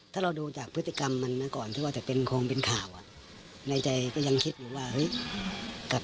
ถ้าเราดูจากพฤติกรรมมันน่ะก่อนที่จะเป็นโคนเป็นข่าวในใจก็ยังคิดว่ากสิบอ่ะ